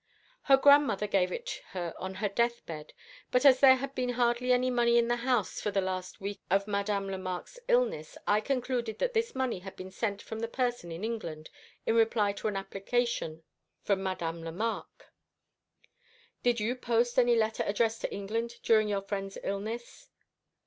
"Her grandmother gave it her on her death bed; but as there had been hardly any money in the house for the last week of Madame Lemarque's illness, I concluded that this money had been sent from the person in England in reply to an application from Madame Lemarque." "Did you post any letter addressed to England during your friend's illness?"